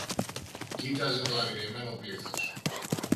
κοίταζε το αγριεμένο πλήθος.